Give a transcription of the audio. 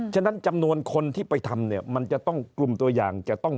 ฉะนั้นจำนวนคนที่ไปทำเนี่ยมันจะต้องกลุ่มตัวอย่างจะต้อง